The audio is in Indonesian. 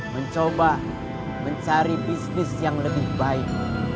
mencoba mencari bisnis yang lebih baik